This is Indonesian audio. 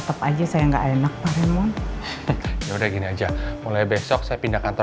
maksudnya pak raymond lydia memalsukan nama itu